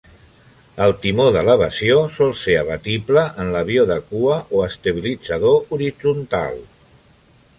El timó d'elevació sol ser abatible en l'avió de cua o estabilitzador horitzontal.